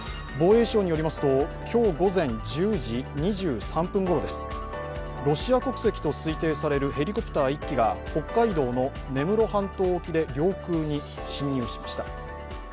防衛省によりますと今日午前１０時２３分ごろ、ロシア国籍と推定されるヘリコプター１機が北海道の根室半島沖で領空に侵入しました。